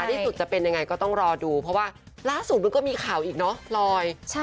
ที่สุดจะเป็นยังไงก็ต้องรอดูเพราะว่าล่าสุดมันก็มีข่าวอีกเนอะพลอย